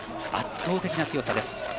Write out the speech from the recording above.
圧倒的な強さです。